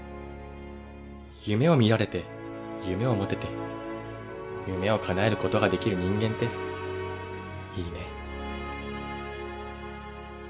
夢を見られて夢を持てて夢をかなえることができる人間っていいね